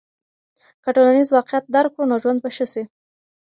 که ټولنیز واقعیت درک کړو نو ژوند به ښه سي.